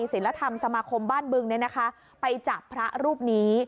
ศิลธรรมสมาคมบ้านบึงไปจับพระรูปนี้